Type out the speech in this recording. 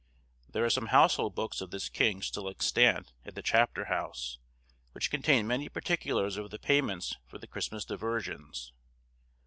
There are some household books of this king still extant at the Chapter House, which contain many particulars of the payments for the Christmas diversions.